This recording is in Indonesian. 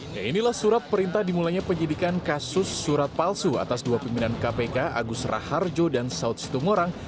ya inilah surat perintah dimulainya penyidikan kasus surat palsu atas dua pimpinan kpk agus raharjo dan saud situmorang